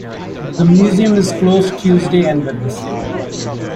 The museum is closed Tuesday and Wednesday.